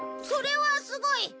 それはすごい！